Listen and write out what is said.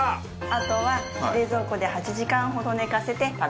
あとは冷蔵庫で８時間ほど寝かせて食べれます。